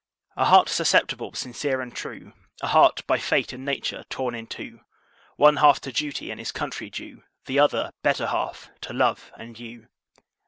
A heart susceptible, sincere, and true; A heart, by fate, and nature, torn in two: One half, to duty and his country due; The other, better half, to love and you!